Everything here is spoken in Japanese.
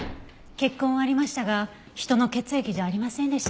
血痕はありましたが人の血液じゃありませんでした。